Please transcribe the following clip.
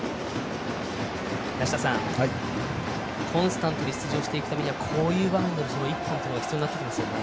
梨田さん、コンスタントに出場していくためにはこういう場面だと１本必要になってきますよね。